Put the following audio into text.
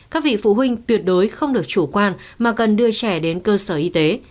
các vị phụ huynh tuyệt đối không được chủ quan mà cần đưa trẻ đến cơ sở y tế